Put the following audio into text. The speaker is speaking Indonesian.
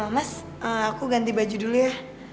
mas aku ganti baju dulu ya